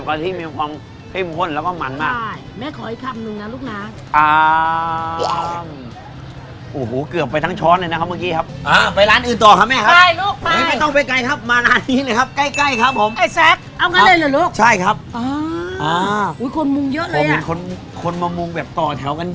บอกได้เลยว่าหอมมากเลยน้ำซุปเขาครับหอมมาก